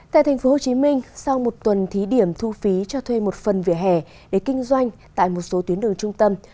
tại tp hcm sau một tuần thí điểm thu phí cho thuê một phần vỉa hè để kinh doanh tại một số tuyến đường trung tâm